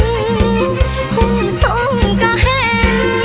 อยากแต่งานกับเธออยากแต่งานกับเธอ